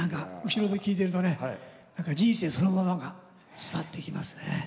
後ろで聴いてるとね人生そのものが伝わってきますね。